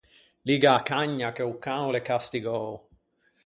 Liga a cagna che o can o l’é castigou.